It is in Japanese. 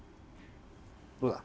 どうだ？